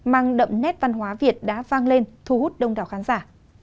mang đậm nét văn hóa việt đã vang lên thu hút đông đảo khán giả